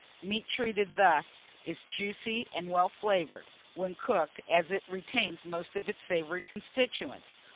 Meat treated thus is juicy and well flavoured, when cooked, as it retains most of its savoury constituents.